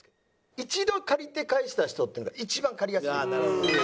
一度借りて返した人っていうのが一番借りやすいんです。